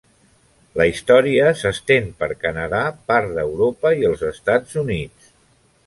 La història s'estén per Canadà, part d'Europa i els Estats Units.